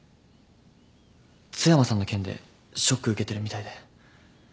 津山さんの件でショック受けてるみたいで。